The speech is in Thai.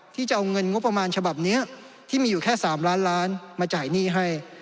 ที่จะเอาเงินงบประมาณฉบับนี้ที่มีอยู่แค่๓ล้านล้านมาจ่ายหนี้ให้